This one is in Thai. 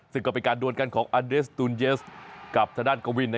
สิ่งก็เป็นการดวนกันของอเดรสตูลเยสกับทดันกวิน